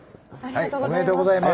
おめでとうございます。